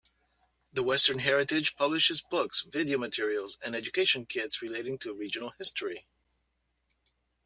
The Western Heritage publishes books, video materials, and education kits relating to regional history.